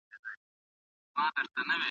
دا ګلونه په ټول کال کې یوازې یو ځل غوړېږي.